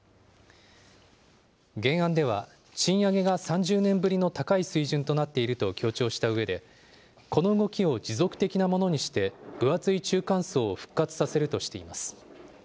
原案では、賃上げが３０年ぶりの高い水準となっていると強調したうえで、この動きを持続的なものにして、分厚い中間層を復活させるとしています。